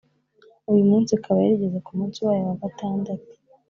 uyu munsi ikaba yari igeze ku munsi wayo wa gatandatu